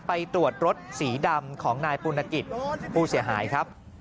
ไปตรวจรถสีดำของนายปุณกิจผู้เสียหายครับ